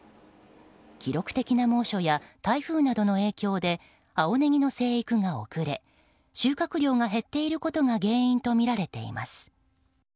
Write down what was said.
記録的な猛暑や台風などの影響で青ネギの生育が遅れ収穫量が減っていることが原因とみられています。